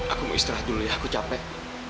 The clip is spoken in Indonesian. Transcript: aku mau istirahat dulu ya aku capek